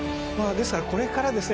ですからこれからですね